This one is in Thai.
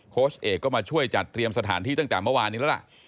เอกก็มาช่วยจัดเตรียมสถานที่ตั้งแต่เมื่อวานนี้แล้วล่ะ